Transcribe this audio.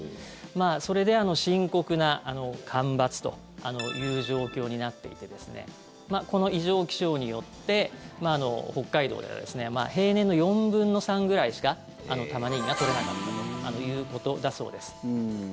それで深刻な干ばつという状況になっていてこの異常気象によって北海道では平年の４分の３ぐらいしかタマネギが取れなかったということだそうです。